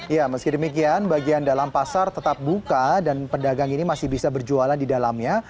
ya meski demikian bagian dalam pasar tetap buka dan pedagang ini masih bisa berjualan di dalamnya